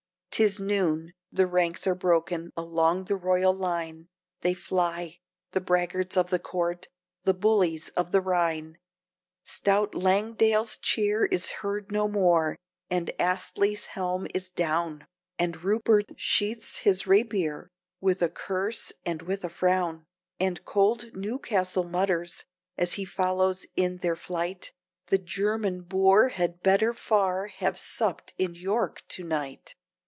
'" 'Tis noon. The ranks are broken, along the royal line They fly, the braggarts of the court! the bullies of the Rhine! Stout Langdale's cheer is heard no more, and Astley's helm is down, And Rupert sheathes his rapier, with a curse and with a frown, And cold Newcastle mutters, as he follows in their flight, "The German boor had better far have supped in York to night."